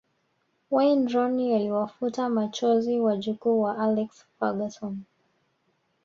Wayne Rooney aliwafuta machozi wajukuu wa Alex Ferguson